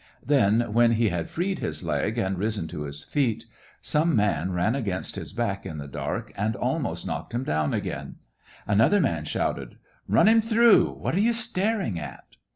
Then when he had freed his leg, and risen to his feet, some man ran against his back in the dark and almost knocked him down again ; another man shouted, ''Run him through ! what are you staring at